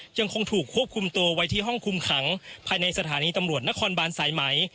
ยังคงถูกควบคุมตัวไว้ที่ห้องคุมขังภายในสถานีตำรวจนครบานสายไหม